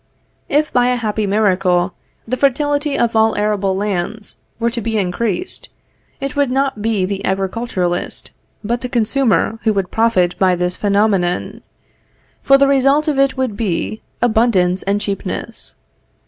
If by a happy miracle the fertility of all arable lands were to be increased, it would not be the agriculturist, but the consumer, who would profit by this phenomenon; for the result of it would be, abundance and cheapness.